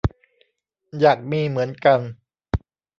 อยากมีเหมือนกัน